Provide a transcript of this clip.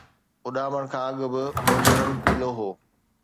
اڏامڻ کان اڳ به منهنجو رنگ پيلو هو